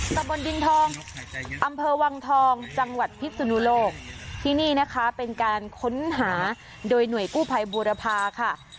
ตะบนดินทองอำเภอวังทองจังหวัดพิษสุนุโลกที่นี่นะคะเป็นการค้นหาโดยหน่วยกู้ภัยบูรพาค่ะ